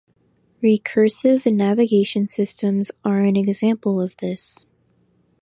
Recursive navigation systems are an example of this.